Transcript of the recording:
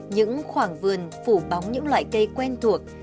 những khoảng vườn phủ bóng những loại cây quen thuộc